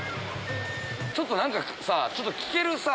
ちょっと何かさちょっと聞けるさ。